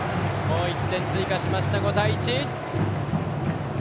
もう１点追加しました、５対１。